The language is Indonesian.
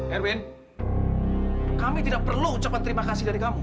erwin kami tidak perlu ucapan terima kasih dari kamu